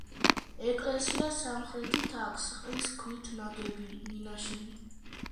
ეკლესიას სამხრეთით აქვს რიყის ქვით ნაგები მინაშენი.